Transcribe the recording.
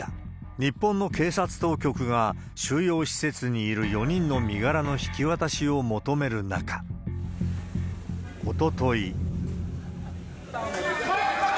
日本の警察当局が、収容施設にいる４人の身柄の引き渡しを求める中、おととい。